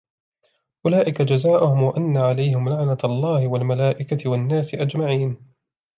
أُولَئِكَ جَزَاؤُهُمْ أَنَّ عَلَيْهِمْ لَعْنَةَ اللَّهِ وَالْمَلَائِكَةِ وَالنَّاسِ أَجْمَعِينَ